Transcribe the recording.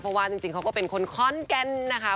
เพราะว่าใจจริงต์เขาก็เป็นคนค้อนกันนะคะ